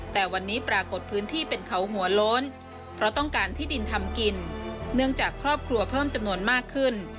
แต่วันนี้ปรากฏพื้นที่เป็นเขาหัวโล้นเพราะต้องการที่ดินทำกินเนื่องจากครอบครัวเพิ่มจำนวนมากขึ้น